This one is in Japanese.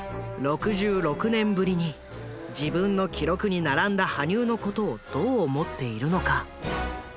６６年ぶりに自分の記録に並んだ羽生のことをどう思っているのか？